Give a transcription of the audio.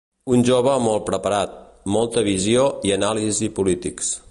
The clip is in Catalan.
Un jove molt preparat, molta visió i anàlisi polítics.